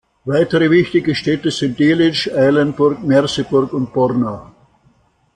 Weitere wichtige Städte sind Delitzsch, Eilenburg, Merseburg und Borna.